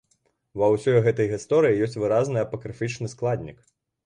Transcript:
Ва ўсёй гэтай гісторыі ёсць выразны апакрыфічны складнік.